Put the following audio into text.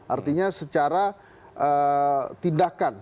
artinya secara eee tindakan